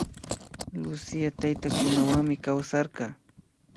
Lucía taytakunawanmi kawsarka